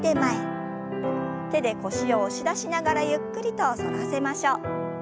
手で腰を押し出しながらゆっくりと反らせましょう。